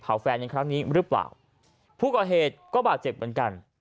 แฟนในครั้งนี้หรือเปล่าผู้ก่อเหตุก็บาดเจ็บเหมือนกัน